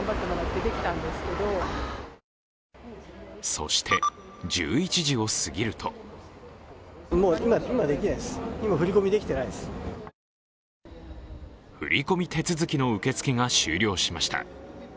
そして１１時を過ぎると振り込み手続きの受け付けが終了しました。